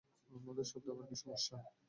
মধুর শব্দের আবার কি সমস্যা?